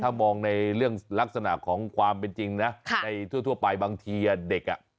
ถ้ามองในเรื่องลักษณะของความเป็นจริงนะในทั่วไปบางทีเด็กอ่ะ